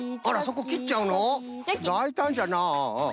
あらそこきっちゃうのだいたんじゃな。